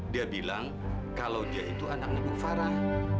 dia bilang kalau dia itu anaknya ukfarah